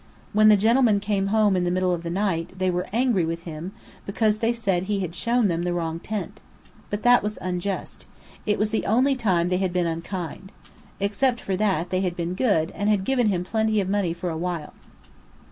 When the gentlemen came home in the middle of the night, they were angry with him because they said he had shown them the wrong tent. But that was unjust. It was the only time they had been unkind. Except for that, they had been good, and had given him plenty of money for a while.